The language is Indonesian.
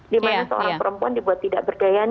dimana seorang perempuan dibuat tidak berdaya